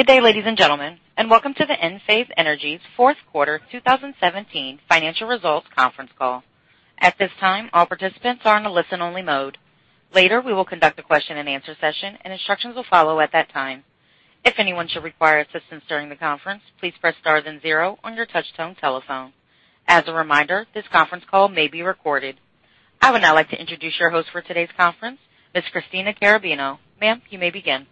Good day, ladies and gentlemen, welcome to the Enphase Energy's fourth quarter 2017 financial results conference call. At this time, all participants are in a listen-only mode. Later, we will conduct a question and answer session, instructions will follow at that time. If anyone should require assistance during the conference, please press star then zero on your touchtone telephone. As a reminder, this conference call may be recorded. I would now like to introduce your host for today's conference, Ms. Christina Carrabino. Ma'am, you may begin.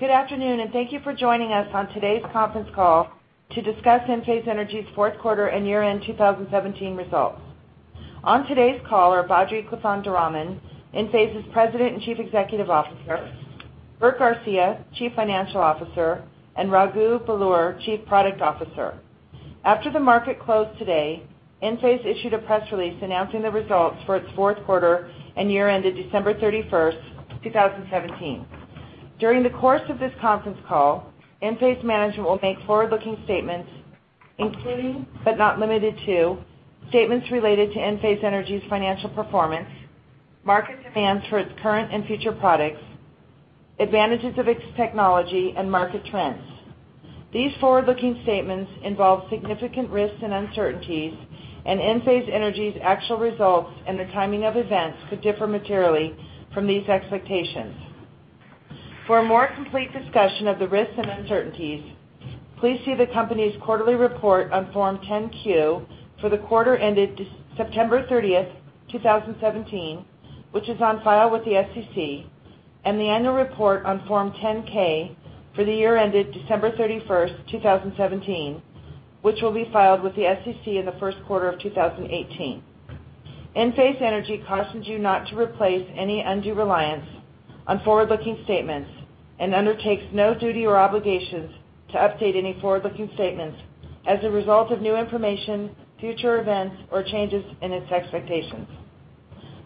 Good afternoon, thank you for joining us on today's conference call to discuss Enphase Energy's fourth quarter and year-end 2017 results. On today's call are Badri Kothandaraman, Enphase's President and Chief Executive Officer, Bert Garcia, Chief Financial Officer, Raghu Belur, Chief Product Officer. After the market closed today, Enphase issued a press release announcing the results for its fourth quarter and year ended December 31st, 2017. During the course of this conference call, Enphase management will make forward-looking statements, including, but not limited to, statements related to Enphase Energy's financial performance, market demands for its current and future products, advantages of its technology, market trends. These forward-looking statements involve significant risks and uncertainties, Enphase Energy's actual results and the timing of events could differ materially from these expectations. For a more complete discussion of the risks and uncertainties, please see the company's quarterly report on Form 10-Q for the quarter ended September 30th, 2017, which is on file with the SEC, the annual report on Form 10-K for the year ended December 31st, 2017, which will be filed with the SEC in the first quarter of 2018. Enphase Energy cautions you not to place any undue reliance on forward-looking statements and undertakes no duty or obligations to update any forward-looking statements as a result of new information, future events, or changes in its expectations.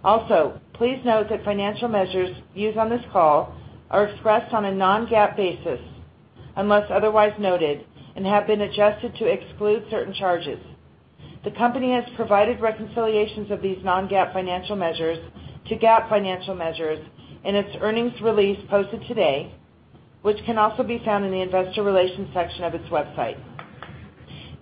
Also, please note that financial measures used on this call are expressed on a non-GAAP basis unless otherwise noted and have been adjusted to exclude certain charges. The company has provided reconciliations of these non-GAAP financial measures to GAAP financial measures in its earnings release posted today, which can also be found in the investor relations section of its website.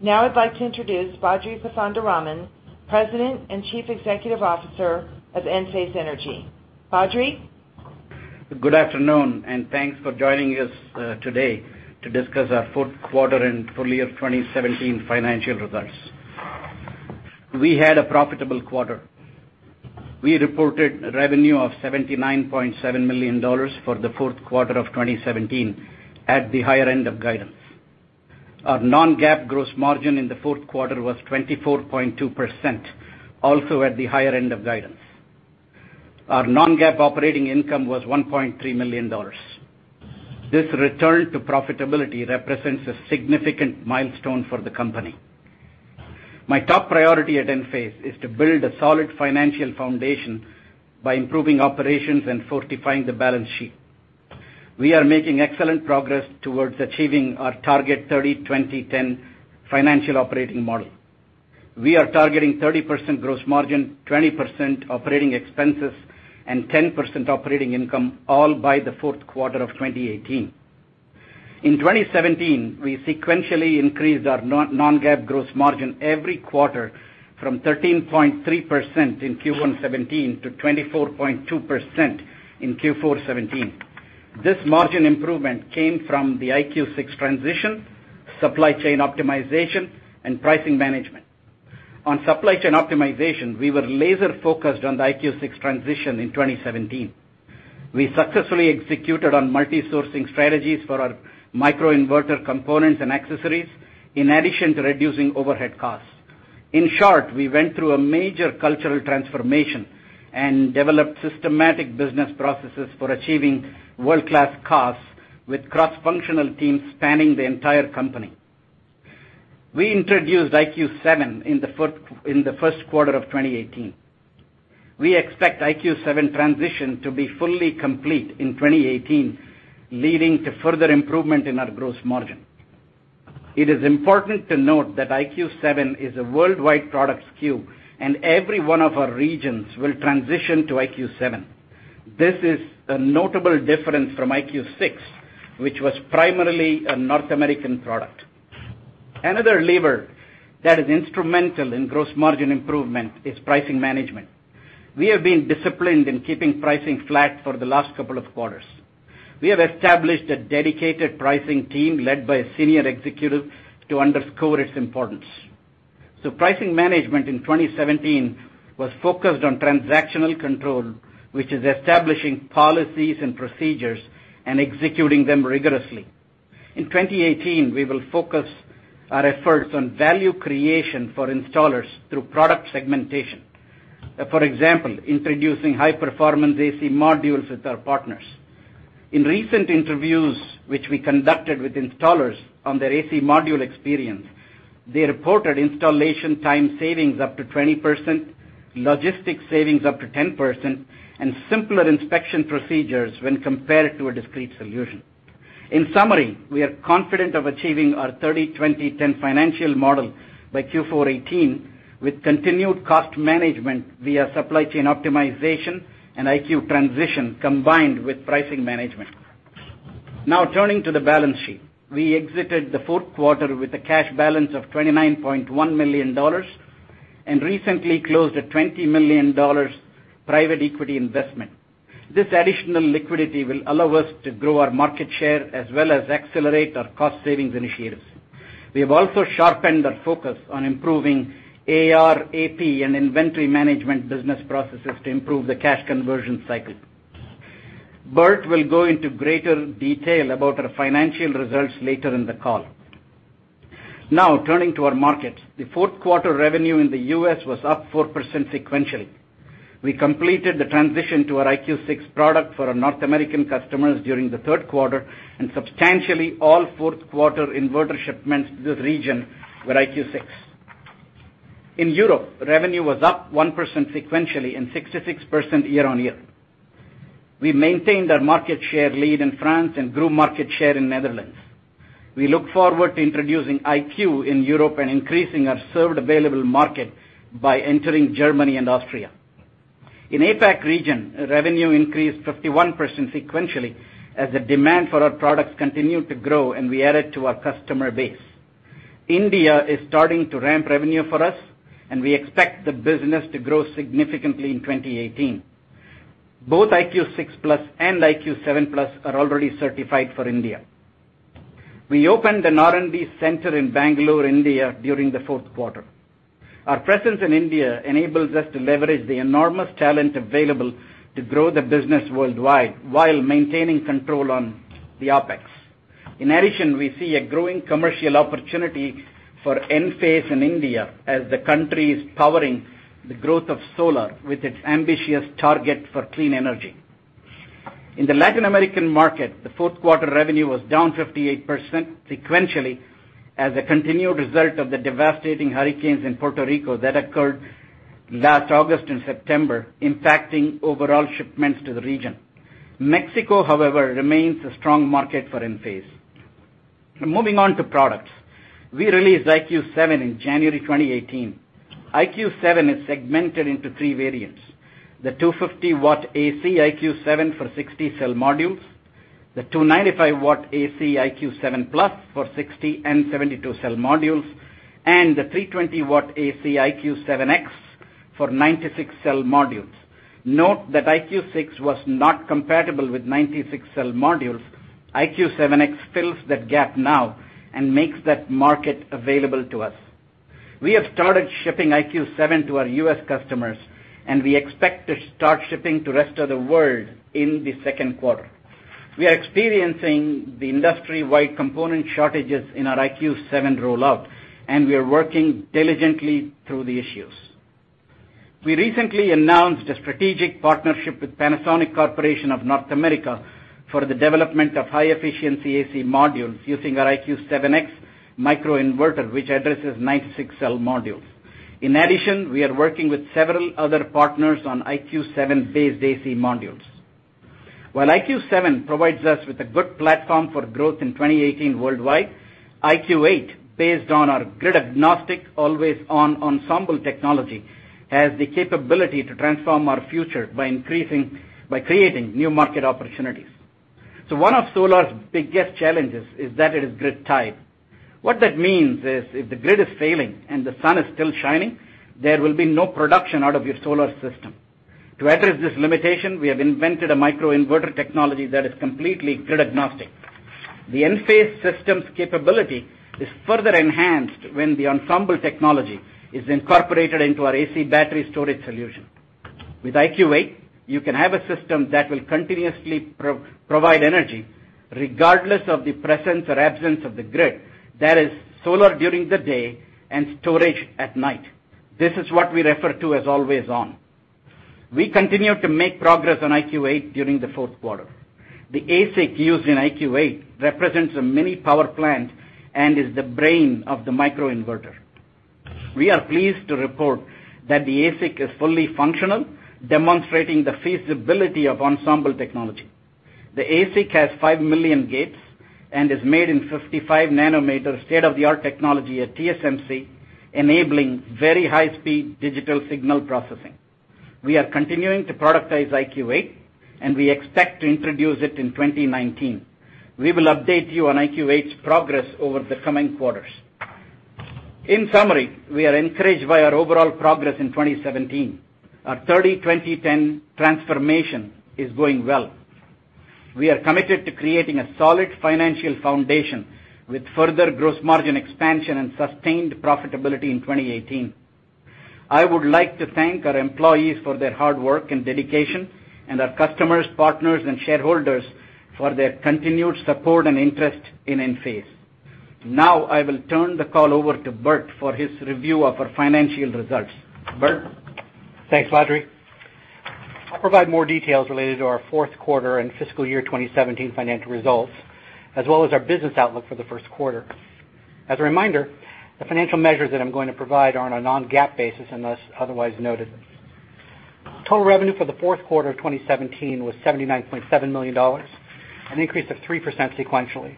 I'd like to introduce Badri Kothandaraman, President and Chief Executive Officer of Enphase Energy. Badri? Good afternoon, thanks for joining us today to discuss our fourth quarter and full year 2017 financial results. We had a profitable quarter. We reported revenue of $79.7 million for the fourth quarter of 2017 at the higher end of guidance. Our non-GAAP gross margin in the fourth quarter was 24.2%, also at the higher end of guidance. Our non-GAAP operating income was $1.3 million. This return to profitability represents a significant milestone for the company. My top priority at Enphase is to build a solid financial foundation by improving operations and fortifying the balance sheet. We are making excellent progress towards achieving our target 30/20/10 financial operating model. We are targeting 30% gross margin, 20% operating expenses, and 10% operating income all by the fourth quarter of 2018. In 2017, we sequentially increased our non-GAAP gross margin every quarter from 13.3% in Q1 2017 to 24.2% in Q4 2017. This margin improvement came from the IQ 6 transition, supply chain optimization, and pricing management. On supply chain optimization, we were laser-focused on the IQ 6 transition in 2017. We successfully executed on multi-sourcing strategies for our microinverter components and accessories, in addition to reducing overhead costs. In short, we went through a major cultural transformation and developed systematic business processes for achieving world-class costs with cross-functional teams spanning the entire company. We introduced IQ 7 in the first quarter of 2018. We expect IQ 7 transition to be fully complete in 2018, leading to further improvement in our gross margin. It is important to note that IQ 7 is a worldwide product SKU, and every one of our regions will transition to IQ 7. This is a notable difference from IQ 6, which was primarily a North American product. Another lever that is instrumental in gross margin improvement is pricing management. We have been disciplined in keeping pricing flat for the last couple of quarters. We have established a dedicated pricing team led by a senior executive to underscore its importance. Pricing management in 2017 was focused on transactional control, which is establishing policies and procedures and executing them rigorously. In 2018, we will focus our efforts on value creation for installers through product segmentation. For example, introducing high-performance AC modules with our partners. In recent interviews, which we conducted with installers on their AC module experience, they reported installation time savings up to 20%, logistics savings up to 10%, and simpler inspection procedures when compared to a discrete solution. In summary, we are confident of achieving our 30/20/10 financial model by Q4 2018 with continued cost management via supply chain optimization and IQ transition, combined with pricing management. Turning to the balance sheet. We exited the fourth quarter with a cash balance of $29.1 million and recently closed a $20 million private equity investment. This additional liquidity will allow us to grow our market share as well as accelerate our cost savings initiatives. We have also sharpened our focus on improving AR, AP, and inventory management business processes to improve the cash conversion cycle. Bert will go into greater detail about our financial results later in the call. Turning to our markets. The fourth quarter revenue in the U.S. was up 4% sequentially. We completed the transition to our IQ 6 product for our North American customers during the third quarter, and substantially all fourth quarter inverter shipments to the region were IQ 6. In Europe, revenue was up 1% sequentially and 66% year-over-year. We maintained our market share lead in France and grew market share in Netherlands. We look forward to introducing IQ in Europe and increasing our served available market by entering Germany and Austria. In APAC region, revenue increased 51% sequentially as the demand for our products continued to grow, and we added to our customer base. India is starting to ramp revenue for us, and we expect the business to grow significantly in 2018. Both IQ6+ and IQ7+ are already certified for India. We opened an R&D center in Bangalore, India during the fourth quarter. Our presence in India enables us to leverage the enormous talent available to grow the business worldwide while maintaining control on the OpEx. In addition, we see a growing commercial opportunity for Enphase in India as the country is powering the growth of solar with its ambitious target for clean energy. In the Latin American market, the fourth quarter revenue was down 58% sequentially as a continued result of the devastating hurricanes in Puerto Rico that occurred last August and September, impacting overall shipments to the region. Mexico, however, remains a strong market for Enphase. Moving on to products. We released IQ 7 in January 2018. IQ 7 is segmented into three variants. The 250-watt AC IQ 7 for 60-cell modules, the 295-watt AC IQ7+ for 60- and 72-cell modules, and the 320-watt AC IQ7X for 96-cell modules. Note that IQ 6 was not compatible with 96-cell modules. IQ7X fills that gap now and makes that market available to us. We have started shipping IQ 7 to our U.S. customers, and we expect to start shipping to rest of the world in the second quarter. We are experiencing the industry-wide component shortages in our IQ 7 rollout, and we are working diligently through the issues. We recently announced a strategic partnership with Panasonic Corporation of North America for the development of high-efficiency AC modules using our IQ7X microinverter, which addresses 96-cell modules. In addition, we are working with several other partners on IQ 7-based AC modules. While IQ 7 provides us with a good platform for growth in 2018 worldwide, IQ 8, based on our grid-agnostic, always-on Ensemble technology, has the capability to transform our future by creating new market opportunities. One of solar's biggest challenges is that it is grid-tied. What that means is if the grid is failing and the sun is still shining, there will be no production out of your solar system. To address this limitation, we have invented a microinverter technology that is completely grid-agnostic. The Enphase system's capability is further enhanced when the Ensemble technology is incorporated into our AC battery storage solution. With IQ 8, you can have a system that will continuously provide energy regardless of the presence or absence of the grid. That is solar during the day and storage at night. This is what we refer to as always on. We continued to make progress on IQ 8 during the fourth quarter. The ASIC used in IQ 8 represents a mini power plant and is the brain of the microinverter. We are pleased to report that the ASIC is fully functional, demonstrating the feasibility of Ensemble technology. The ASIC has 5 million gates and is made in 55 nm state-of-the-art technology at TSMC, enabling very high-speed digital signal processing. We are continuing to productize IQ8, and we expect to introduce it in 2019. We will update you on IQ8's progress over the coming quarters. In summary, we are encouraged by our overall progress in 2017. Our 30/20/10 transformation is going well. We are committed to creating a solid financial foundation with further gross margin expansion and sustained profitability in 2018. I would like to thank our employees for their hard work and dedication and our customers, partners, and shareholders for their continued support and interest in Enphase. I will turn the call over to Bert for his review of our financial results. Bert? Thanks, Badri. I'll provide more details related to our fourth quarter and fiscal year 2017 financial results, as well as our business outlook for the first quarter. As a reminder, the financial measures that I'm going to provide are on a non-GAAP basis unless otherwise noted. Total revenue for the fourth quarter of 2017 was $79.7 million, an increase of 3% sequentially.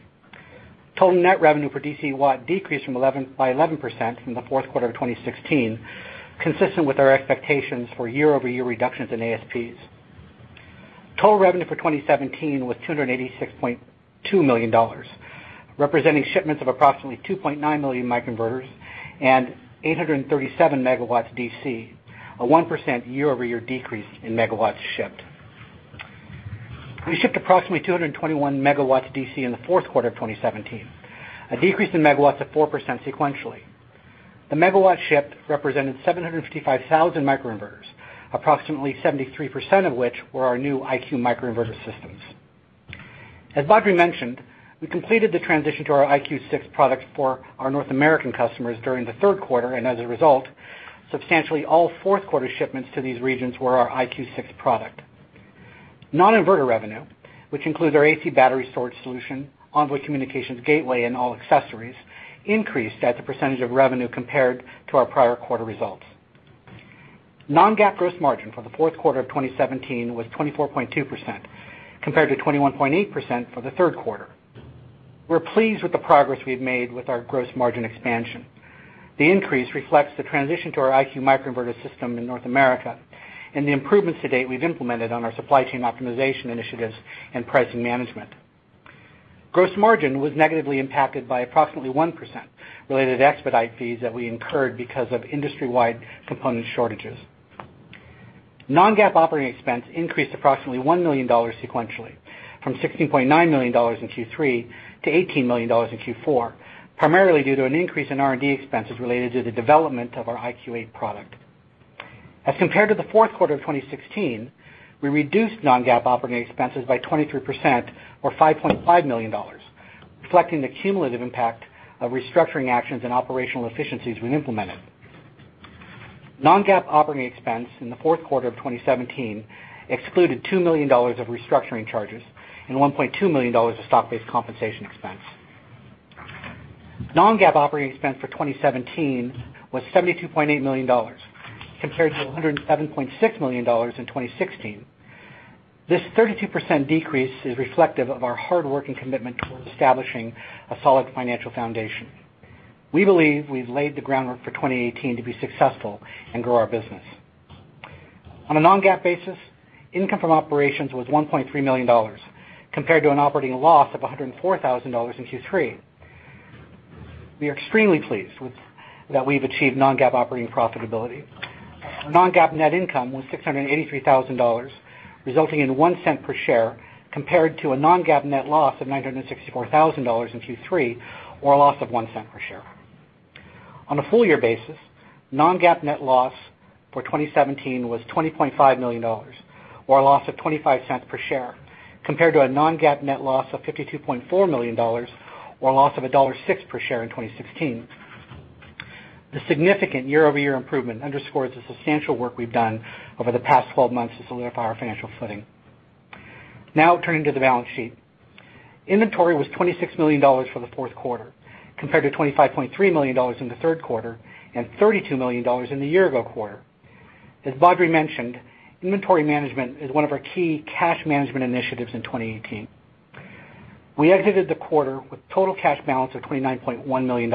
Total net revenue for DC Watt decreased by 11% from the fourth quarter of 2016, consistent with our expectations for year-over-year reductions in ASPs. Total revenue for 2017 was $286.2 million, representing shipments of approximately 2.9 million microinverters and 837 megawatts DC, a 1% year-over-year decrease in megawatts shipped. We shipped approximately 221 megawatts DC in the fourth quarter of 2017, a decrease in megawatts of 4% sequentially. The megawatt shipped represented 755,000 microinverters, approximately 73% of which were our new IQ microinverter systems. As Badri mentioned, we completed the transition to our IQ6 products for our North American customers during the third quarter. As a result, substantially all fourth quarter shipments to these regions were our IQ6 product. Non-inverter revenue, which includes our AC battery storage solution, Envoy communications gateway, and all accessories, increased as a percentage of revenue compared to our prior quarter results. Non-GAAP gross margin for the fourth quarter of 2017 was 24.2%, compared to 21.8% for the third quarter. We're pleased with the progress we've made with our gross margin expansion. The increase reflects the transition to our IQ microinverter system in North America and the improvements to date we've implemented on our supply chain optimization initiatives and pricing management. Gross margin was negatively impacted by approximately 1%, related to expedite fees that we incurred because of industry-wide component shortages. Non-GAAP operating expense increased approximately $1 million sequentially, from $16.9 million in Q3 to $18 million in Q4, primarily due to an increase in R&D expenses related to the development of our IQ8 product. As compared to the fourth quarter of 2016, we reduced non-GAAP operating expenses by 23%, or $5.5 million, reflecting the cumulative impact of restructuring actions and operational efficiencies we've implemented. Non-GAAP operating expense in the fourth quarter of 2017 excluded $2 million of restructuring charges and $1.2 million of stock-based compensation expense. Non-GAAP operating expense for 2017 was $72.8 million, compared to $107.6 million in 2016. This 32% decrease is reflective of our hard work and commitment towards establishing a solid financial foundation. We believe we've laid the groundwork for 2018 to be successful and grow our business. On a non-GAAP basis, income from operations was $1.3 million, compared to an operating loss of $104,000 in Q3. We are extremely pleased that we've achieved non-GAAP operating profitability. Non-GAAP net income was $683,000, resulting in $0.01 per share, compared to a non-GAAP net loss of $964,000 in Q3, or a loss of $0.01 per share. On a full year basis, non-GAAP net loss for 2017 was $20.5 million, or a loss of $0.25 per share, compared to a non-GAAP net loss of $52.4 million, or a loss of $1.06 per share in 2016. The significant year-over-year improvement underscores the substantial work we've done over the past 12 months to solidify our financial footing. Turning to the balance sheet. Inventory was $26 million for the fourth quarter, compared to $25.3 million in the third quarter and $32 million in the year-ago quarter. As Badri mentioned, inventory management is one of our key cash management initiatives in 2018. We exited the quarter with total cash balance of $29.1 million,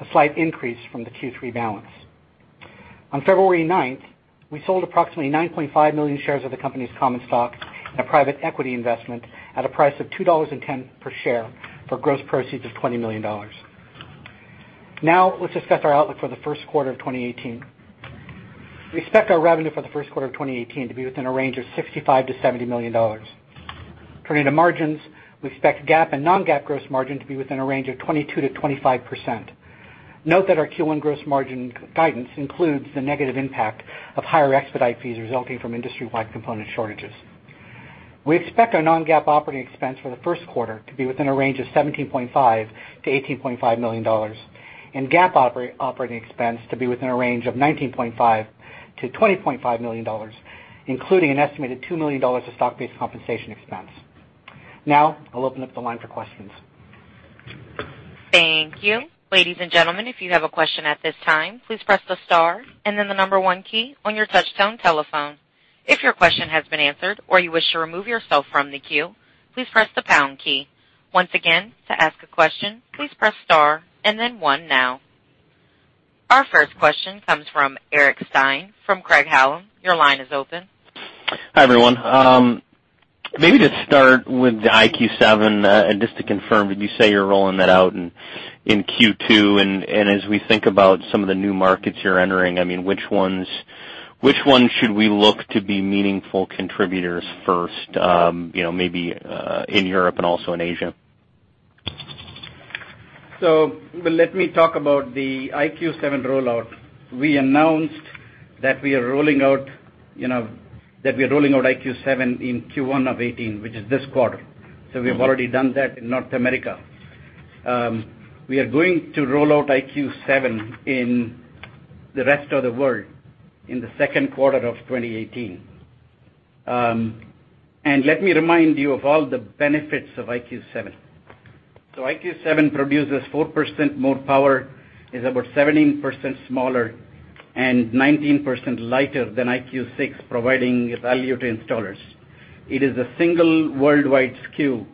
a slight increase from the Q3 balance. On February 9th, we sold approximately 9.5 million shares of the company's common stock in a private equity investment at a price of $2.10 per share for gross proceeds of $20 million. Let's discuss our outlook for the first quarter of 2018. We expect our revenue for the first quarter of 2018 to be within a range of $65 million-$70 million. Turning to margins, we expect GAAP and non-GAAP gross margin to be within a range of 22%-25%. Note that our Q1 gross margin guidance includes the negative impact of higher expedite fees resulting from industry-wide component shortages. We expect our non-GAAP operating expense for the first quarter to be within a range of $17.5 million-$18.5 million and GAAP operating expense to be within a range of $19.5 million-$20.5 million, including an estimated $2 million of stock-based compensation expense. I'll open up the line for questions. Thank you. Ladies and gentlemen, if you have a question at this time, please press the star and then the number 1 key on your touchtone telephone. If your question has been answered or you wish to remove yourself from the queue, please press the pound key. Once again, to ask a question, please press star and then 1 now. Our first question comes from Eric Stine from Craig-Hallum. Your line is open. Hi, everyone. Maybe just start with the IQ7, just to confirm, did you say you're rolling that out in Q2? As we think about some of the new markets you're entering, which ones should we look to be meaningful contributors first, maybe in Europe and also in Asia? Let me talk about the IQ7 rollout. We announced that we are rolling out IQ7 in Q1 of 2018, which is this quarter. We've already done that in North America. We are going to roll out IQ7 in the rest of the world in the second quarter of 2018. Let me remind you of all the benefits of IQ7. IQ7 produces 4% more power, is about 17% smaller and 19% lighter than IQ6, providing value to installers. It is a single worldwide SKU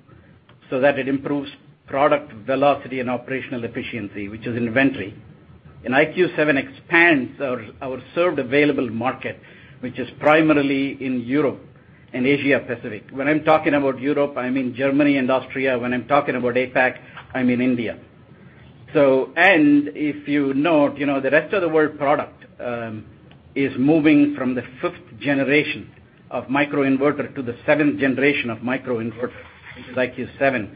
so that it improves product velocity and operational efficiency, which is inventory. IQ7 expands our served available market, which is primarily in Europe and Asia Pacific. When I'm talking about Europe, I mean Germany and Austria. When I'm talking about APAC, I mean India. If you note, the rest of the world product is moving from the fifth generation of microinverter to the seventh generation of microinverter, which is IQ7.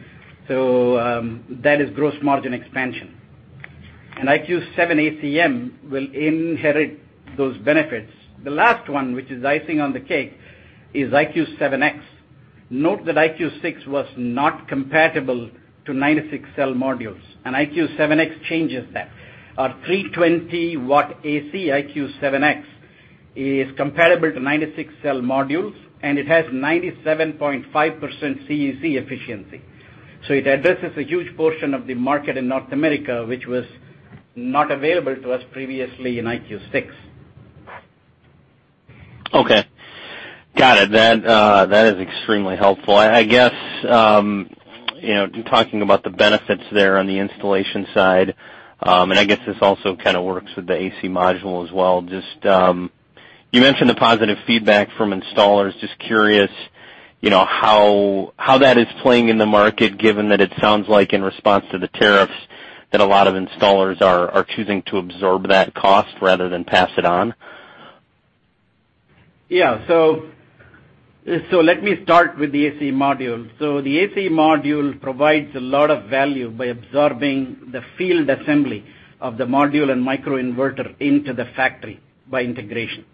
That is gross margin expansion. IQ7-ACM will inherit those benefits. The last one, which is icing on the cake, is IQ7X. Note that IQ6 was not compatible to 96-cell modules, IQ7X changes that. Our 320-watt AC IQ7X is compatible to 96-cell modules, and it has 97.5% CEC efficiency. It addresses a huge portion of the market in North America, which was not available to us previously in IQ6. Okay. Got it. That is extremely helpful. I guess, talking about the benefits there on the installation side, and I guess this also kind of works with the AC module as well, just you mentioned the positive feedback from installers. Just curious how that is playing in the market, given that it sounds like in response to the tariffs that a lot of installers are choosing to absorb that cost rather than pass it on. Yeah. Let me start with the AC module. The AC module provides a lot of value by absorbing the field assembly of the module and microinverter into the factory by integration.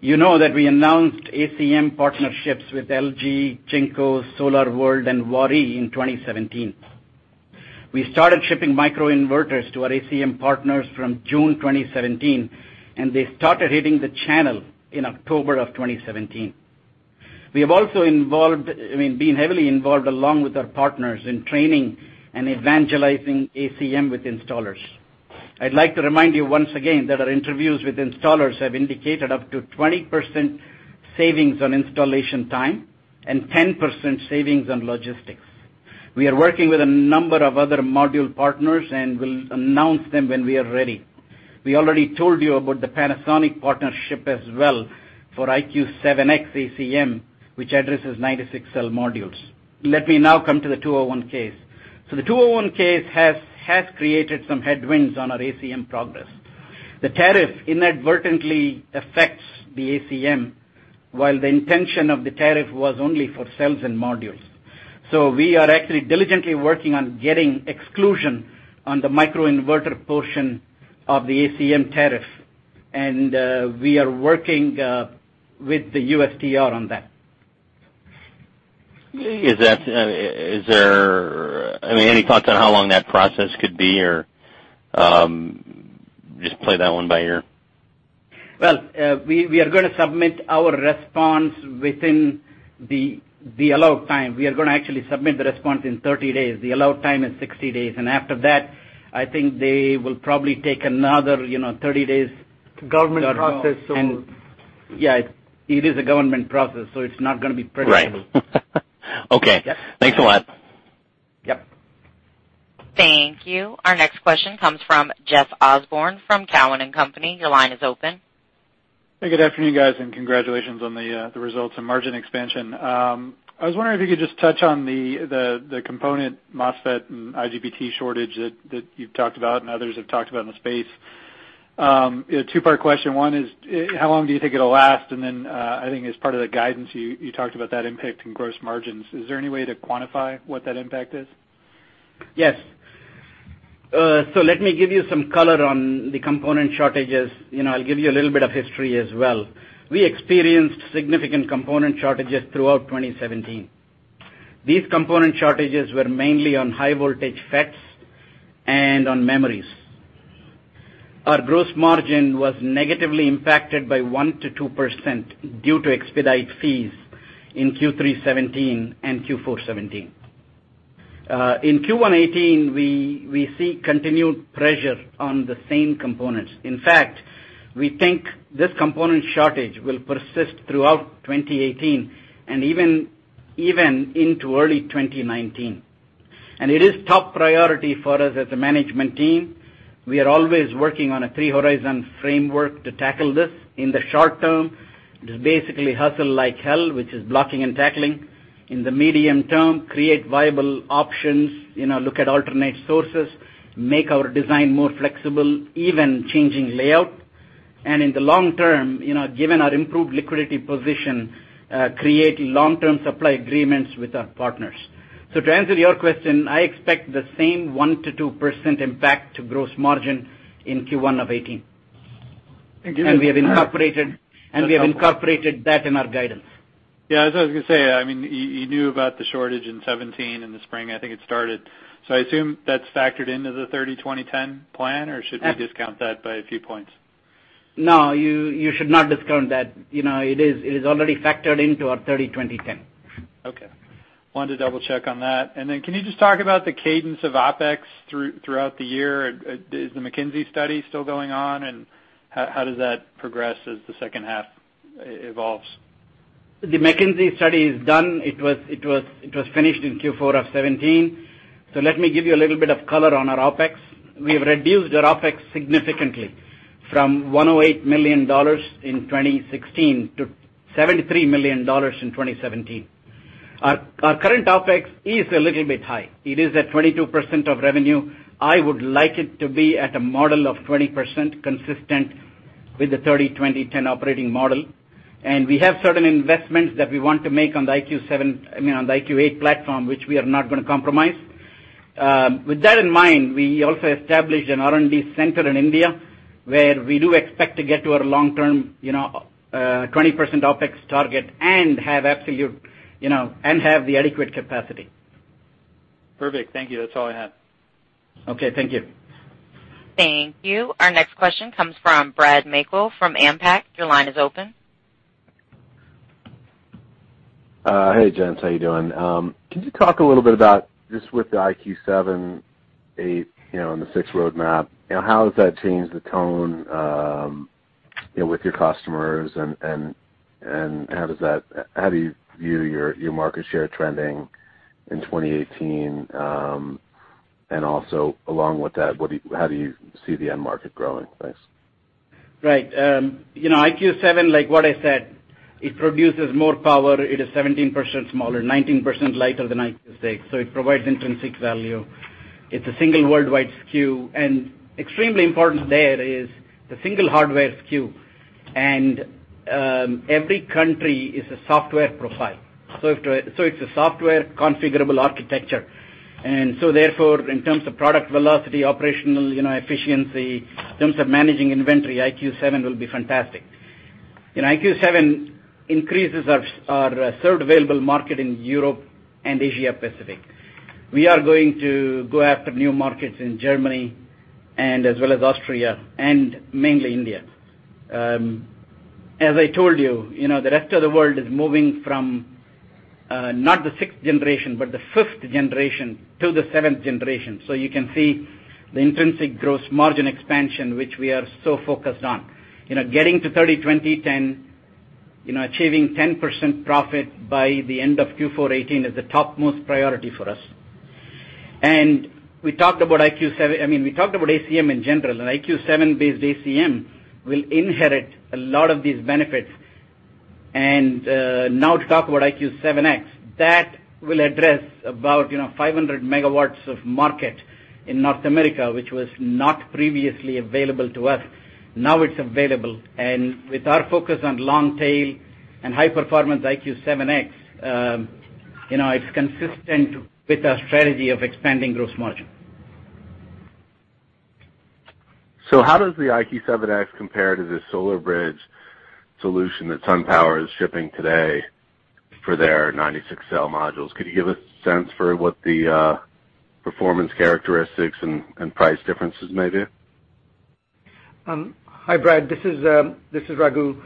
You know that we announced ACM partnerships with LG, JinkoSolar, SolarWorld, and Waaree in 2017. We started shipping microinverters to our ACM partners from June 2017, and they started hitting the channel in October of 2017. We have also been heavily involved along with our partners in training and evangelizing ACM with installers. I'd like to remind you once again that our interviews with installers have indicated up to 20% savings on installation time and 10% savings on logistics. We are working with a number of other module partners and will announce them when we are ready. We already told you about the Panasonic partnership as well for IQ7X-ACM, which addresses 96-cell modules. Let me now come to the Section 201 case. The Section 201 case has created some headwinds on our ACM progress. The tariff inadvertently affects the ACM, while the intention of the tariff was only for cells and modules. We are actually diligently working on getting exclusion on the microinverter portion of the ACM tariff, and we are working with the USTR on that. Any thoughts on how long that process could be, or just play that one by ear? Well, we are going to submit our response within the allowed time. We are going to actually submit the response in 30 days. The allowed time is 60 days. After that, I think they will probably take another 30 days. Government process. Yeah, it is a government process, so it's not going to be pretty. Right. Okay. Yep. Thanks a lot. Yep. Thank you. Our next question comes from Jeff Osborne from Cowen and Company. Your line is open. Hey, good afternoon, guys, and congratulations on the results and margin expansion. I was wondering if you could just touch on the component MOSFET and IGBT shortage that you've talked about and others have talked about in the space. Two-part question. One is, how long do you think it'll last? And then, I think as part of the guidance, you talked about that impact in gross margins. Is there any way to quantify what that impact is? Yes. Let me give you some color on the component shortages. I'll give you a little bit of history as well. We experienced significant component shortages throughout 2017. These component shortages were mainly on high voltage FETs and on memories. Our gross margin was negatively impacted by 1%-2% due to expedite fees in Q3 2017 and Q4 2017. In Q1 2018, we see continued pressure on the same components. In fact, we think this component shortage will persist throughout 2018 and even into early 2019. It is top priority for us as a management team. We are always working on a three-horizon framework to tackle this. In the short term, it is basically hustle like hell, which is blocking and tackling. In the medium term, create viable options, look at alternate sources, make our design more flexible, even changing layout. In the long term, given our improved liquidity position, create long-term supply agreements with our partners. To answer your question, I expect the same 1%-2% impact to gross margin in Q1 of 2018. Thank you. We have incorporated that in our guidance. Yeah, as I was going to say, you knew about the shortage in 2017, in the spring, I think it started. I assume that's factored into the 30/20/10 plan, or should we discount that by a few points? No, you should not discount that. It is already factored into our 30-20-10. Okay. Wanted to double-check on that. Can you just talk about the cadence of OpEx throughout the year? Is the McKinsey study still going on, and how does that progress as the second half evolves? The McKinsey study is done. It was finished in Q4 of 2017. Let me give you a little bit of color on our OpEx. We have reduced our OpEx significantly from $108 million in 2016 to $73 million in 2017. Our current OpEx is a little bit high. It is at 22% of revenue. I would like it to be at a model of 20%, consistent with the 30-20-10 operating model. We have certain investments that we want to make on the IQ8 platform, which we are not going to compromise. With that in mind, we also established an R&D center in India, where we do expect to get to our long-term 20% OpEx target and have the adequate capacity. Perfect. Thank you. That's all I had. Okay. Thank you. Thank you. Our next question comes from Brad Meikle from AMPAC. Your line is open. Hey, gents. How you doing? Can you talk a little bit about, just with the IQ 7, IQ8, and the IQ 6 roadmap, how has that changed the tone with your customers and how do you view your market share trending in 2018? Also along with that, how do you see the end market growing? Thanks. Right. IQ 7, like what I said, it produces more power. It is 17% smaller, 19% lighter than IQ 6. It provides intrinsic value. It's a single worldwide SKU. Extremely important there is the single hardware SKU. Every country is a software profile. It's a software configurable architecture. Therefore, in terms of product velocity, operational efficiency, in terms of managing inventory, IQ 7 will be fantastic. IQ 7 increases our served available market in Europe and Asia Pacific. We are going to go after new markets in Germany as well as Austria and mainly India. As I told you, the rest of the world is moving from not the sixth generation, but the fifth generation to the seventh generation. You can see the intrinsic gross margin expansion, which we are so focused on. Getting to 30-20-10, achieving 10% profit by the end of Q4 2018 is the topmost priority for us. We talked about ACM in general, and IQ7-based ACM will inherit a lot of these benefits. To talk about IQ7X, that will address about 500 megawatts of market in North America, which was not previously available to us. Now it's available, with our focus on long tail and high performance IQ7X, it's consistent with our strategy of expanding gross margin. How does the IQ7X compare to the SolarBridge solution that SunPower is shipping today for their 96-cell modules? Could you give a sense for what the performance characteristics and price differences may be? Hi, Brad. This is Raghu.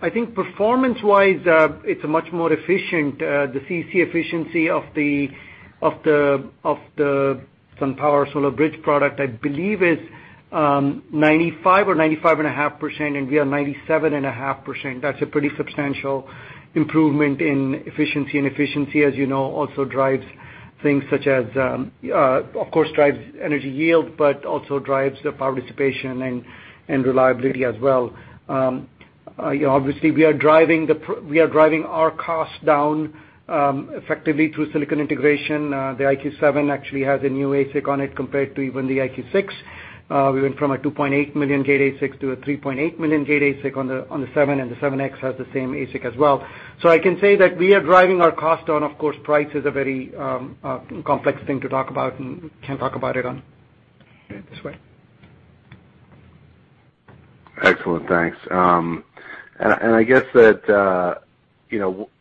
I think performance-wise, it's much more efficient. The CEC efficiency of the SunPower SolarBridge product, I believe, is 95% or 95.5%, we are 97.5%. That's a pretty substantial improvement in efficiency, as you know, of course, drives energy yield, but also drives the power dissipation and reliability as well. Obviously, we are driving our costs down effectively through silicon integration. The IQ7 actually has a new ASIC on it compared to even the IQ6. We went from a 2.8 million gate ASIC to a 3.8 million gate ASIC on the 7, the 7X has the same ASIC as well. I can say that we are driving our cost down. Of course, price is a very complex thing to talk about, we can't talk about it this way. Excellent. Thanks. I guess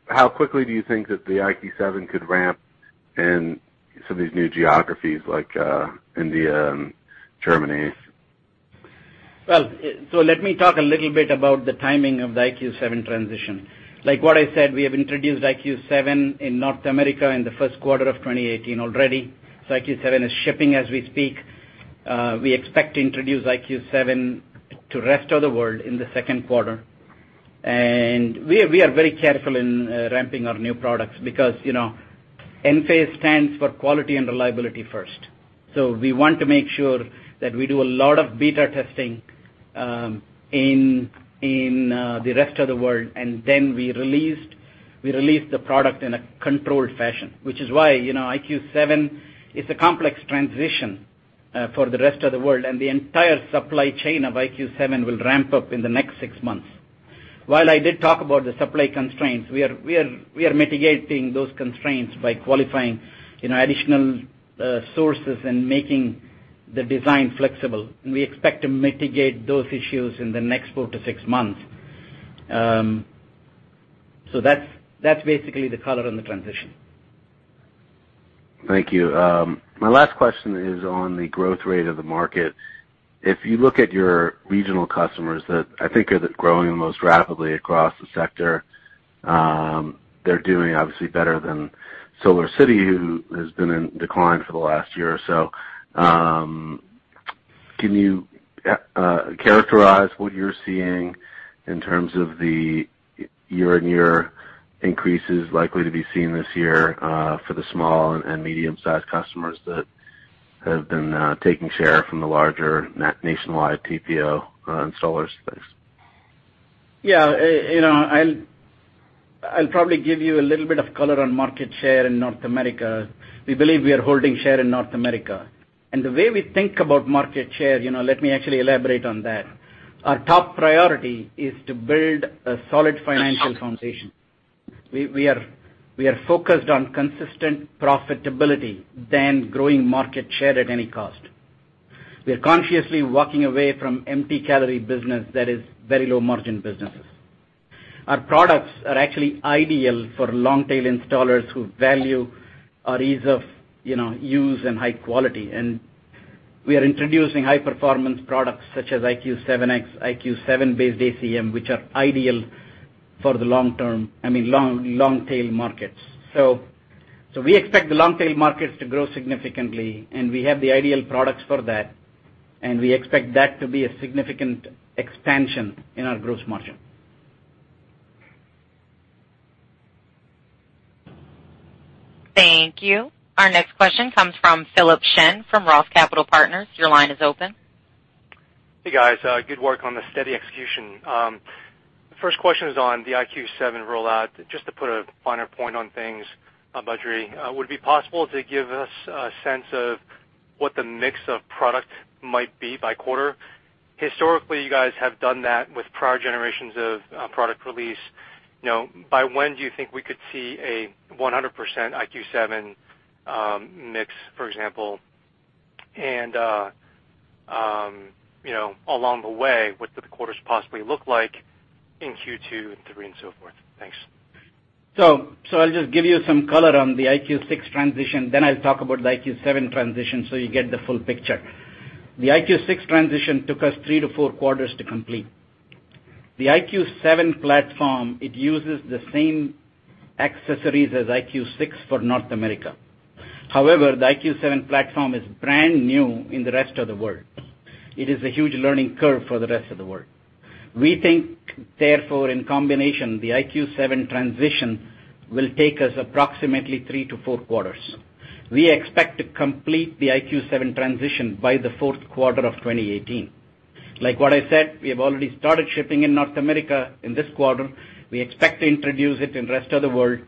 how quickly do you think that the IQ7 could ramp in some of these new geographies like India and Germany? Let me talk a little bit about the timing of the IQ 7 transition. Like what I said, we have introduced IQ 7 in North America in the first quarter of 2018 already. IQ 7 is shipping as we speak. We expect to introduce IQ 7 to rest of the world in the second quarter. We are very careful in ramping our new products because Enphase stands for quality and reliability first. We want to make sure that we do a lot of beta testing in the rest of the world, and then we release the product in a controlled fashion, which is why IQ 7 is a complex transition for the rest of the world, and the entire supply chain of IQ 7 will ramp up in the next six months. While I did talk about the supply constraints, we are mitigating those constraints by qualifying additional sources and making the design flexible, and we expect to mitigate those issues in the next four to six months. That's basically the color on the transition. Thank you. My last question is on the growth rate of the market. If you look at your regional customers that I think are growing the most rapidly across the sector, they're doing obviously better than SolarCity, who has been in decline for the last year or so. Can you characterize what you're seeing in terms of the year-on-year increases likely to be seen this year for the small and medium-sized customers that have been taking share from the larger nationwide TPO installers space? Yeah. I'll probably give you a little bit of color on market share in North America. We believe we are holding share in North America. The way we think about market share, let me actually elaborate on that. Our top priority is to build a solid financial foundation. We are focused on consistent profitability than growing market share at any cost. We are consciously walking away from empty calorie business, that is, very low margin businesses. Our products are actually ideal for long-tail installers who value our ease of use and high quality. We are introducing high performance products such as IQ7X, IQ7-based ACM, which are ideal for the long-tail markets. We expect the long-tail markets to grow significantly, and we have the ideal products for that, and we expect that to be a significant expansion in our gross margin. Thank you. Our next question comes from Philip Shen from Roth Capital Partners. Your line is open. Hey, guys. Good work on the steady execution. First question is on the IQ7 rollout, just to put a finer point on things, Badri. Would it be possible to give us a sense of what the mix of product might be by quarter? Historically, you guys have done that with prior generations of product release. By when do you think we could see a 100% IQ7 mix, for example, and along the way, what could the quarters possibly look like in Q2 and Q3 and so forth? Thanks. I'll just give you some color on the IQ6 transition, then I'll talk about the IQ7 transition so you get the full picture. The IQ6 transition took us three to four quarters to complete. The IQ7 platform, it uses the same accessories as IQ6 for North America. The IQ7 platform is brand new in the rest of the world. It is a huge learning curve for the rest of the world. We think, therefore, in combination, the IQ7 transition will take us approximately three to four quarters. We expect to complete the IQ7 transition by the fourth quarter of 2018. Like what I said, we have already started shipping in North America in this quarter. We expect to introduce it in rest of the world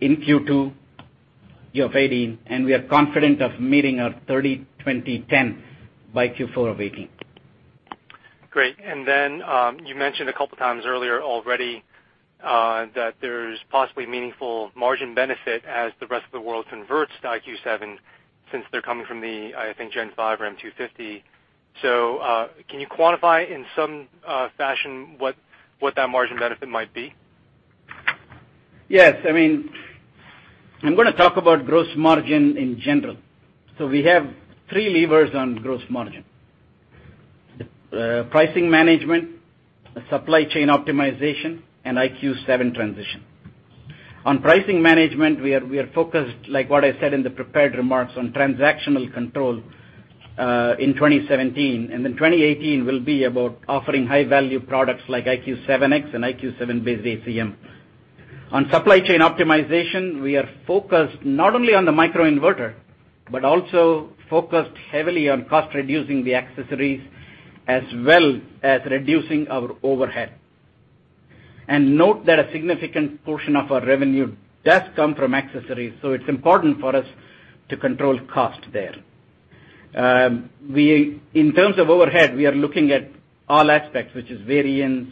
in Q2 of 2018, we are confident of meeting our 30/20/10 by Q4 of 2018. Great. Then, you mentioned a couple times earlier already, that there's possibly meaningful margin benefit as the rest of the world converts to IQ7, since they're coming from the, I think Gen 5 or M250. Can you quantify in some fashion what that margin benefit might be? Yes. I'm going to talk about gross margin in general. We have three levers on gross margin. Pricing management, supply chain optimization, and IQ 7 transition. On pricing management, we are focused, like what I said in the prepared remarks, on transactional control in 2017. Then 2018 will be about offering high-value products like IQ7X and IQ7-ACM. On supply chain optimization, we are focused not only on the microinverter, but also focused heavily on cost reducing the accessories, as well as reducing our overhead. Note that a significant portion of our revenue does come from accessories, so it's important for us to control cost there. In terms of overhead, we are looking at all aspects, which is variants,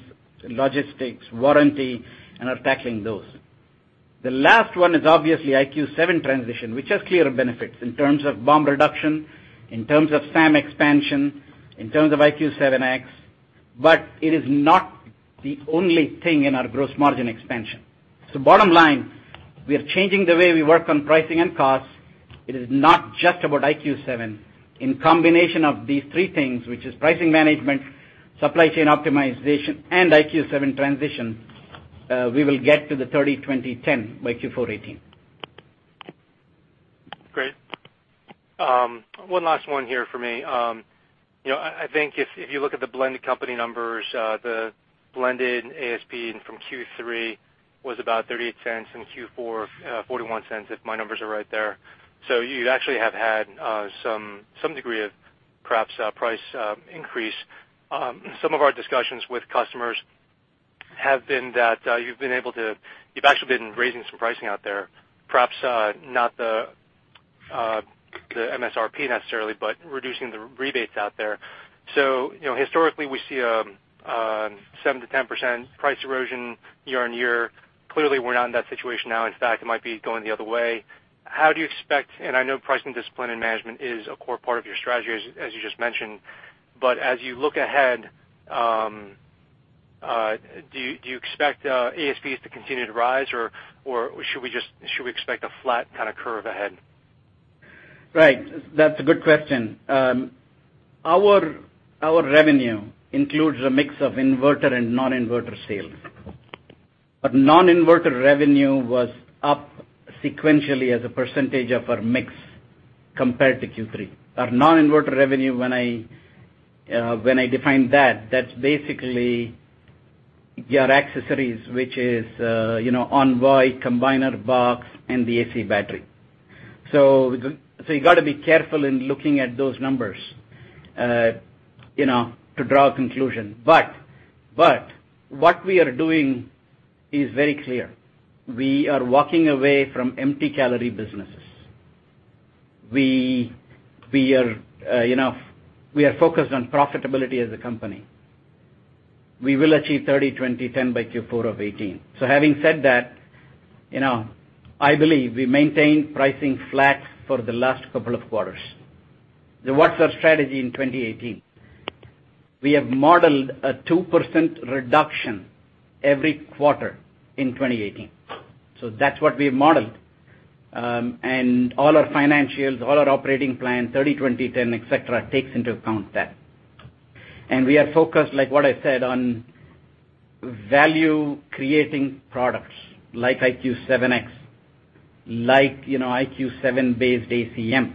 logistics, warranty, and are tackling those. The last one is obviously IQ 7 transition, which has clear benefits in terms of BOM reduction, in terms of SAM expansion, in terms of IQ7X, but it is not the only thing in our gross margin expansion. Bottom line, we are changing the way we work on pricing and costs. It is not just about IQ 7. In combination of these three things, which is pricing management, supply chain optimization, and IQ 7 transition, we will get to the 30/20/10 by Q4 2018. Great. One last one here from me. I think if you look at the blended company numbers, the blended ASP from Q3 was about $0.38 and Q4, $0.41, if my numbers are right there. You actually have had some degree of perhaps price increase. Some of our discussions with customers have been that you've actually been raising some pricing out there, perhaps not the MSRP necessarily, but reducing the rebates out there. Historically, we see a 7% to 10% price erosion year-on-year. Clearly, we're not in that situation now. In fact, it might be going the other way. How do you expect, and I know pricing discipline and management is a core part of your strategy, as you just mentioned, but as you look ahead, do you expect ASPs to continue to rise, or should we expect a flat kind of curve ahead? Right. That's a good question. Our revenue includes a mix of inverter and non-inverter sales. Non-inverter revenue was up sequentially as a percentage of our mix compared to Q3. Our non-inverter revenue, when I define that's basically your accessories, which is Envoy, combiner box, and the AC battery. You got to be careful in looking at those numbers to draw a conclusion. What we are doing is very clear. We are walking away from empty-calorie businesses. We are focused on profitability as a company. We will achieve 30/20/10 by Q4 of 2018. Having said that, I believe we maintained pricing flat for the last couple of quarters. What's our strategy in 2018? We have modeled a 2% reduction every quarter in 2018. That's what we have modeled. All our financials, all our operating plan, 30/20/10, et cetera, takes into account that. We are focused, like what I said, on value-creating products like IQ7X, like IQ7-ACM,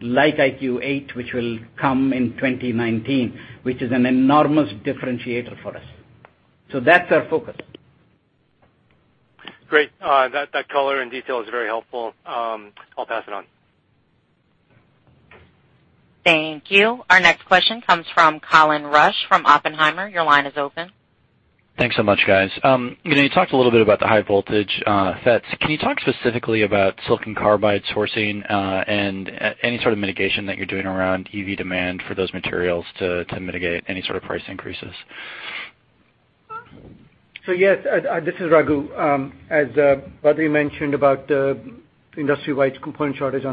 like IQ8, which will come in 2019, which is an enormous differentiator for us. That's our focus. Great. That color and detail is very helpful. I'll pass it on. Thank you. Our next question comes from Colin Rusch from Oppenheimer. Your line is open. Thanks so much, guys. You talked a little bit about the high voltage FETs. Can you talk specifically about silicon carbide sourcing and any sort of mitigation that you're doing around EV demand for those materials to mitigate any sort of price increases? Yes, this is Raghu. As Badri mentioned about the industry-wide component shortage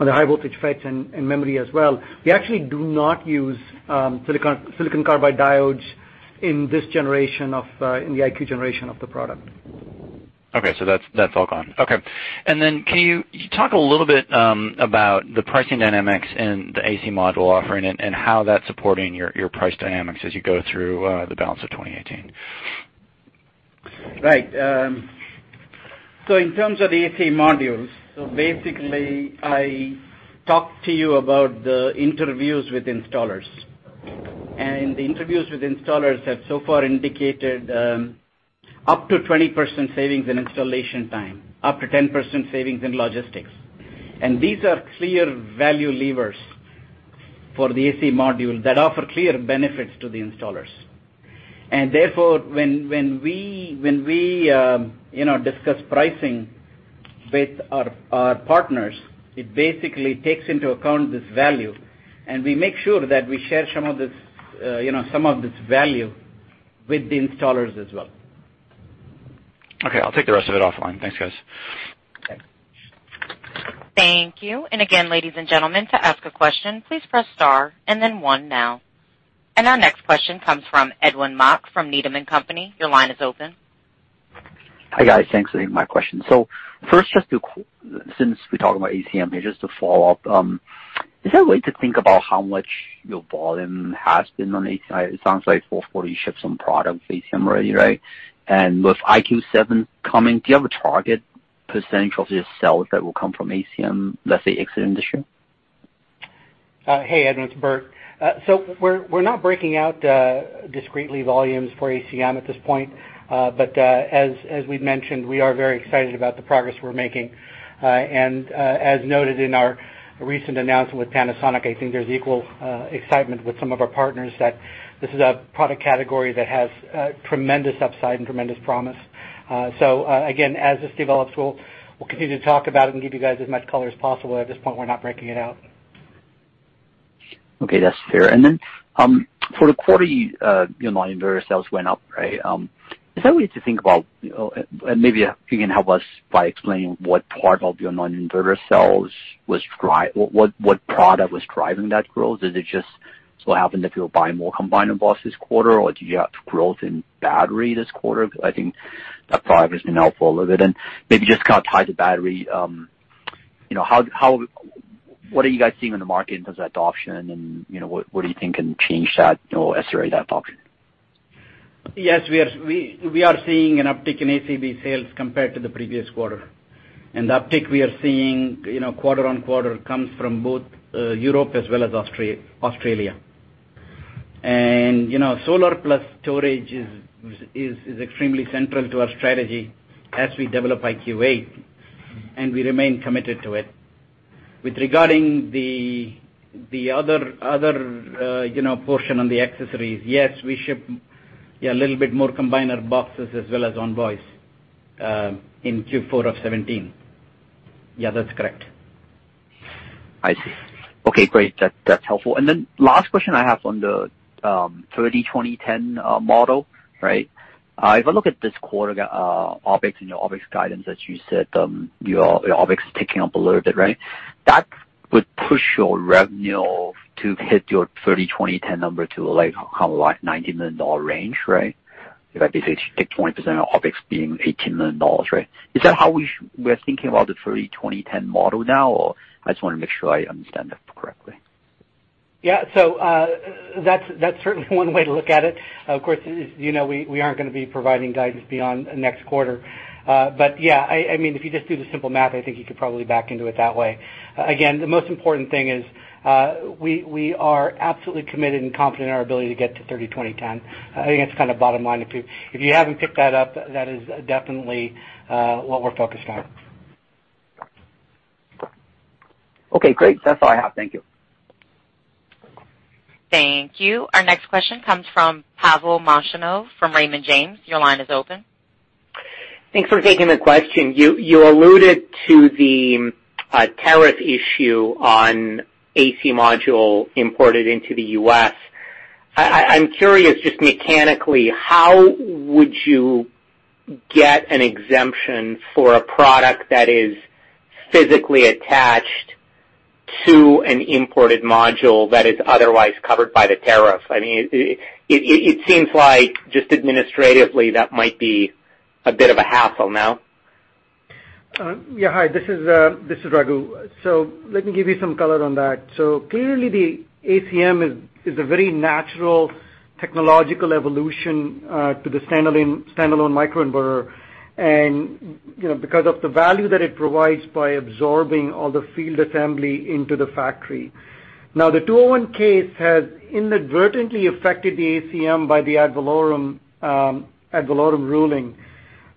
on the high voltage FETs and memory as well, we actually do not use silicon carbide diodes in the IQ generation of the product. Okay, that's all gone. Can you talk a little bit about the pricing dynamics and the AC module offering and how that's supporting your price dynamics as you go through the balance of 2018? Right. In terms of AC modules, basically, I talked to you about the interviews with installers. The interviews with installers have so far indicated up to 20% savings in installation time, up to 10% savings in logistics. These are clear value levers for the AC module that offer clear benefits to the installers. Therefore, when we discuss pricing with our partners, it basically takes into account this value, and we make sure that we share some of this value with the installers as well. Okay. I'll take the rest of it offline. Thanks, guys. Okay. Thank you. Again, ladies and gentlemen, to ask a question, please press star and then one now. Our next question comes from Edwin Mok from Needham & Company. Your line is open. Hi, guys. Thanks for taking my question. First, since we're talking about ACM, just to follow up, is there a way to think about how much your volume has been on AC? It sounds like Q4 you shipped some product with ACM already, right? With IQ 7 coming, do you have a target % of your sales that will come from ACM, let's say, exit industry? Hey, Edwin, it's Bert. We're not breaking out discretely volumes for ACM at this point. As we've mentioned, we are very excited about the progress we're making. As noted in our recent announcement with Panasonic, I think there's equal excitement with some of our partners that this is a product category that has tremendous upside and tremendous promise. Again, as this develops, we'll continue to talk about it and give you guys as much color as possible. At this point, we're not breaking it out. Okay, that's fair. Then for the quarter, your non-inverter sales went up, right? Is there a way to think about, and maybe if you can help us by explaining what part of your non-inverter sales, what product was driving that growth? Is it just so happened that people buying more combiner boxes this quarter, or do you have growth in battery this quarter? I think that product has been helpful a little bit. Maybe just kind of tie the battery. What are you guys seeing in the market in terms of adoption, and what do you think can change that or accelerate that adoption? Yes, we are seeing an uptick in ACB sales compared to the previous quarter. The uptick we are seeing quarter-on-quarter comes from both Europe as well as Australia. Solar plus storage is extremely central to our strategy as we develop IQ 8, and we remain committed to it. With regarding the other portion on the accessories, yes, we ship a little bit more combiner boxes as well as Envoys in Q4 of 2017. That's correct. I see. Okay, great. That's helpful. Last question I have on the 30-20-10 model. If I look at this quarter, OpEx and your OpEx guidance that you said, your OpEx is ticking up a little bit, right? That would push your revenue to hit your 30-20-10 number to kind of like $90 million range, right? If I basically take 20% of OpEx being $18 million. Is that how we're thinking about the 30-20-10 model now, or I just want to make sure I understand that correctly. That's certainly one way to look at it. Of course, as you know, we aren't going to be providing guidance beyond next quarter. If you just do the simple math, I think you could probably back into it that way. Again, the most important thing is, we are absolutely committed and confident in our ability to get to 30-20-10. I think that's kind of bottom line. If you haven't picked that up, that is definitely what we're focused on. Okay, great. That's all I have. Thank you. Thank you. Our next question comes from Pavel Molchanov from Raymond James. Your line is open. Thanks for taking the question. You alluded to the tariff issue on AC module imported into the U.S. I'm curious, just mechanically, how would you get an exemption for a product that is physically attached to an imported module that is otherwise covered by the tariff? It seems like just administratively, that might be a bit of a hassle now. Yeah. Hi, this is Raghu. Let me give you some color on that. Clearly the ACM is a very natural technological evolution to the standalone microinverter. And because of the value that it provides by absorbing all the field assembly into the factory. Now, the 201 case has inadvertently affected the ACM by the ad valorem ruling.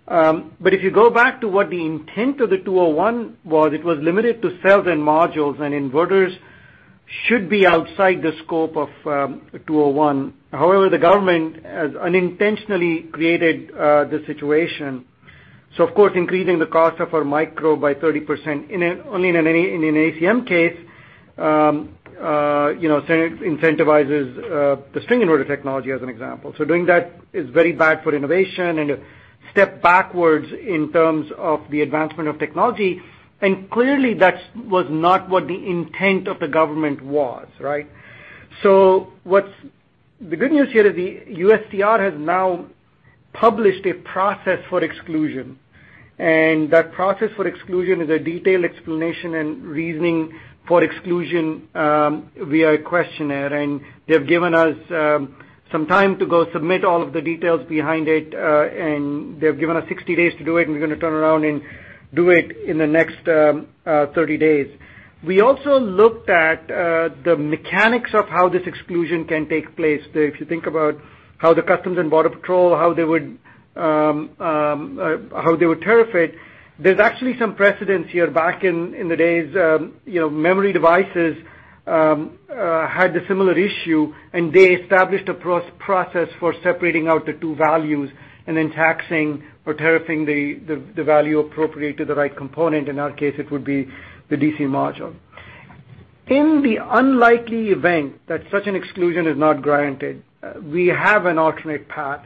If you go back to what the intent of the 201 was, it was limited to cells and modules, and inverters should be outside the scope of 201. However, the government has unintentionally created this situation. Of course, increasing the cost of our micro by 30%, only in an ACM case, incentivizes the string inverter technology as an example. Doing that is very bad for innovation and a step backwards in terms of the advancement of technology. Clearly that was not what the intent of the government was. The good news here is the USTR has now published a process for exclusion, and that process for exclusion is a detailed explanation and reasoning for exclusion via a questionnaire. They've given us some time to go submit all of the details behind it. They've given us 60 days to do it, and we're going to turn around and do it in the next 30 days. We also looked at the mechanics of how this exclusion can take place. If you think about how the Customs and Border Protection, how they would tariff it, there's actually some precedents here back in the days, memory devices had a similar issue, and they established a process for separating out the two values and then taxing or tariffing the value appropriate to the right component. In our case, it would be the DC module. In the unlikely event that such an exclusion is not granted, we have an alternate path.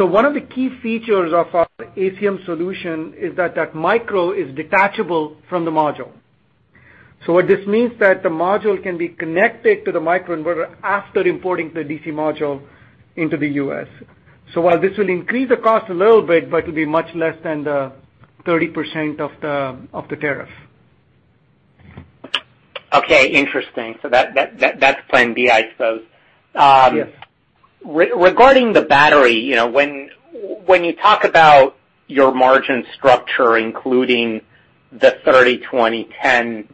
One of the key features of our ACM solution is that micro is detachable from the module. What this means that the module can be connected to the microinverter after importing the DC module into the U.S. While this will increase the cost a little bit, but it'll be much less than the 30% of the tariff. Okay, interesting. That's plan B, I suppose. Yes. Regarding the battery, when you talk about your margin structure, including the 30/20/10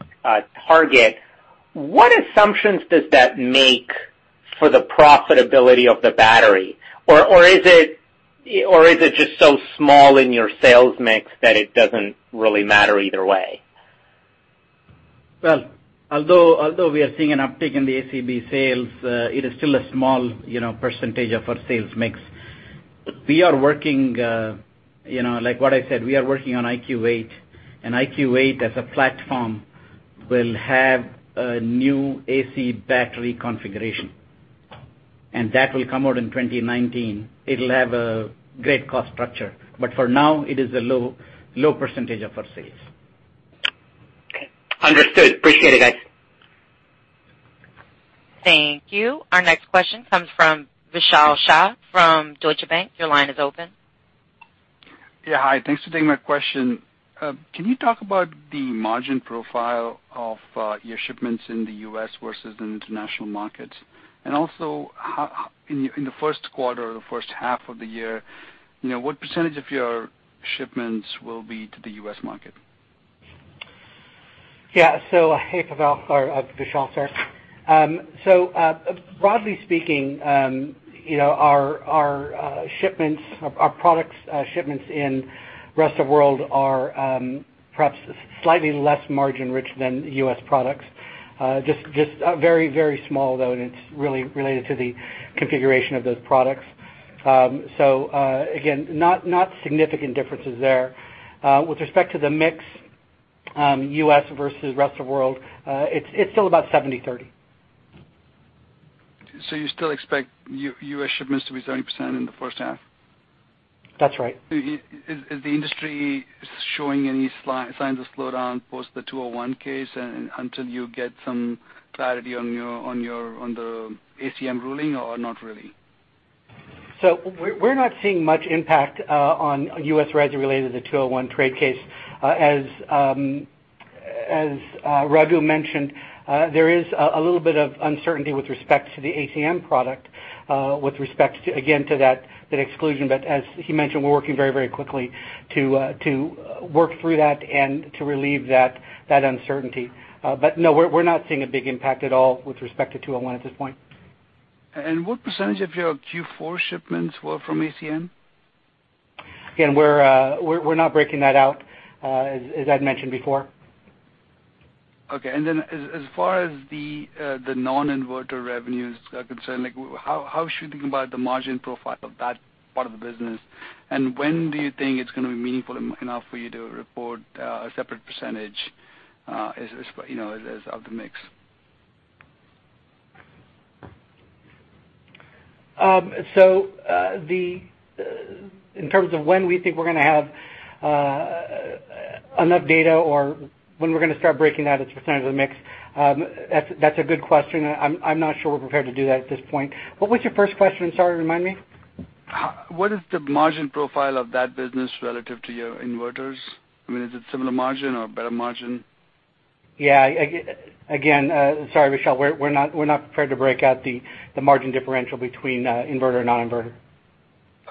target, what assumptions does that make for the profitability of the battery? Or is it just so small in your sales mix that it doesn't really matter either way? Well, although we are seeing an uptick in the ACB sales, it is still a small percentage of our sales mix. Like what I said, we are working on IQ8 as a platform will have a new AC battery configuration. That will come out in 2019. It'll have a great cost structure. For now, it is a low percentage of our sales. Okay. Understood. Appreciate it, guys. Thank you. Our next question comes from Vishal Shah from Deutsche Bank. Your line is open. Yeah. Hi. Thanks for taking my question. Can you talk about the margin profile of your shipments in the U.S. versus the international markets? In the first quarter or the first half of the year, what % of your shipments will be to the U.S. market? Yeah. Hey, Pavel or Vishal, sorry. Broadly speaking, our products shipments in rest of world are perhaps slightly less margin-rich than U.S. products. Just very small though, and it's really related to the configuration of those products. Again, not significant differences there. With respect to the mix, U.S. versus rest of world, it's still about 70/30. You still expect U.S. shipments to be 70% in the first half? That's right. Is the industry showing any signs of slowdown post the 201 case until you get some clarity on the ACM ruling or not really? We're not seeing much impact on U.S. res related to the 201 trade case. As Raghu mentioned, there is a little bit of uncertainty with respect to the ACM product, with respect, again, to that exclusion, but as he mentioned, we're working very quickly to work through that and to relieve that uncertainty. No, we're not seeing a big impact at all with respect to 201 at this point. What percentage of your Q4 shipments were from ACM? Again, we're not breaking that out, as I'd mentioned before. Okay. As far as the non-inverter revenues are concerned, how should we think about the margin profile of that part of the business? When do you think it's going to be meaningful enough for you to report a separate percentage of the mix? In terms of when we think we're going to have enough data or when we're going to start breaking out its percentage of the mix, that's a good question. I'm not sure we're prepared to do that at this point. What was your first question? Sorry, remind me. What is the margin profile of that business relative to your inverters? I mean, is it similar margin or better margin? Yeah. Sorry, Vishal. We're not prepared to break out the margin differential between inverter and non-inverter.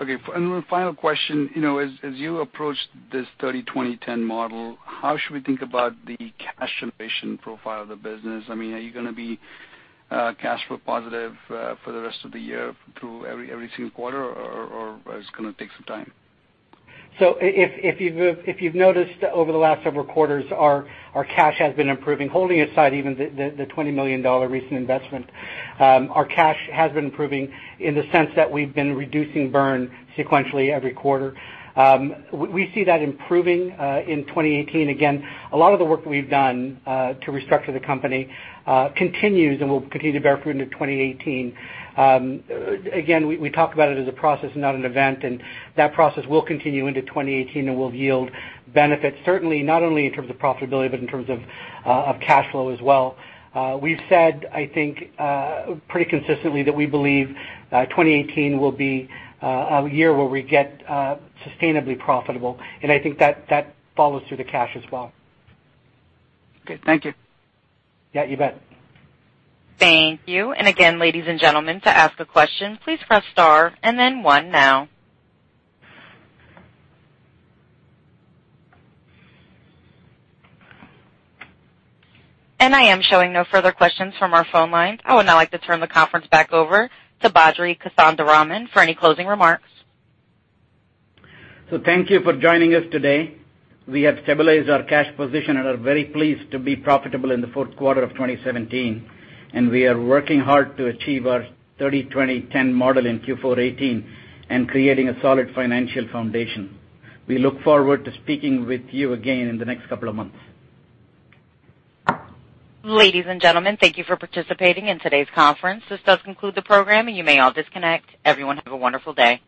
Okay. One final question. As you approach this 30/20/10 model, how should we think about the [cash innovation profile] of the business? Are you going to be cash flow positive for the rest of the year through every single quarter, or it's going to take some time? If you've noticed over the last several quarters, our cash has been improving. Holding aside even the $20 million recent investment, our cash has been improving in the sense that we've been reducing burn sequentially every quarter. Again, we see that improving in 2018. Again, a lot of the work that we've done to restructure the company continues and will continue to bear fruit into 2018. Again, we talk about it as a process, not an event, and that process will continue into 2018 and will yield benefits, certainly not only in terms of profitability, but in terms of cash flow as well. We've said, I think, pretty consistently that we believe 2018 will be a year where we get sustainably profitable, and I think that follows through the cash as well. Okay, thank you. Yeah, you bet. Thank you. Again, ladies and gentlemen, to ask a question, please press star and then one now. I am showing no further questions from our phone lines. I would now like to turn the conference back over to Badri Kothandaraman for any closing remarks. Thank you for joining us today. We have stabilized our cash position and are very pleased to be profitable in the fourth quarter of 2017. We are working hard to achieve our 30/20/10 model in Q4 2018 and creating a solid financial foundation. We look forward to speaking with you again in the next couple of months. Ladies and gentlemen, thank you for participating in today's conference. This does conclude the program. You may all disconnect. Everyone, have a wonderful day.